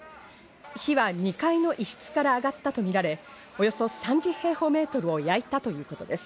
火は２階の一室から上がったとみられ、およそ３０平方メートルを焼いたということです。